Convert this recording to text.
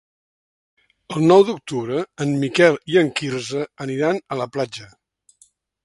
El nou d'octubre en Miquel i en Quirze aniran a la platja.